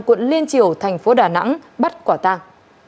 quận liên triều thành phố đà nẵng bắt quả tang